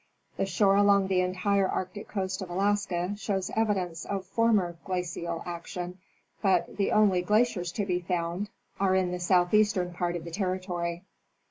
The shore along the entire Arctic coast of Alaska shows evidence of former glacial action, but the only glaciers to be found are in the southeastern part of the territory.